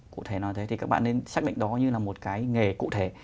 cụ thể nói thế thì các bạn nên xác định đó như là một cái nghề cụ thể